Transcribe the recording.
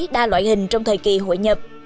đa loại hình trong thời kỳ hội nhập